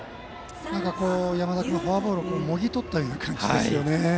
山田君、フォアボールをもぎ取った感じですよね。